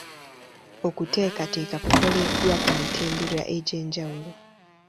Okuteekateeka kukolebwa ku mitendera egy'enjawulo.